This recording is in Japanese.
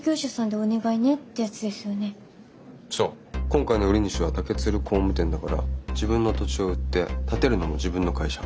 今回の売り主は竹鶴工務店だから自分の土地を売って建てるのも自分の会社。